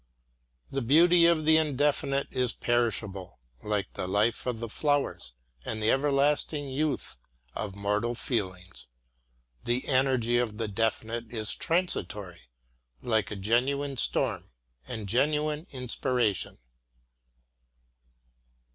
The beauty of the Indefinite is perishable, like the life of the flowers and the everlasting youth of mortal feelings; the energy of the Definite is transitory, like a genuine storm and genuine inspiration.